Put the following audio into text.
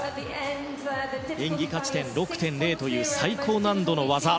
演技価値点６．０という最高難度の技。